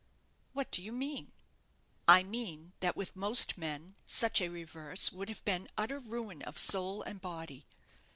"What do you mean?" "I mean that with most men such a reverse would have been utter ruin of soul and body.